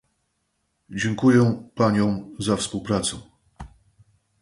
Dziękuję Paniom za współpracę